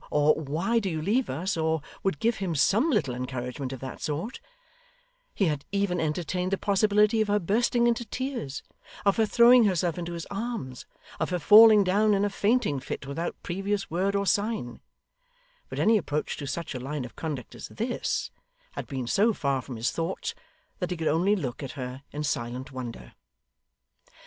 or 'Why do you leave us?' or would give him some little encouragement of that sort; he had even entertained the possibility of her bursting into tears, of her throwing herself into his arms, of her falling down in a fainting fit without previous word or sign; but any approach to such a line of conduct as this, had been so far from his thoughts that he could only look at her in silent wonder.